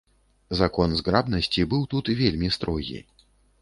Закон зграбнасці быў і тут вельмі строгі.